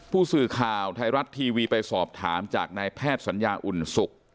ผู้สื่อข่าวไทยรัฐทีวีไปสอบถามจากนายแพทย์สัญญาอุ่นศุกร์